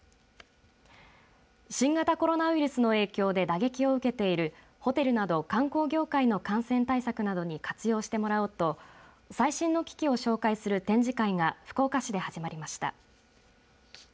新型コロナウイルスの影響で打撃を受けている、ホテルなど観光業界の感染対策などに活用してもらおうと最新の機器を紹介する展示会が福岡市で始まりました。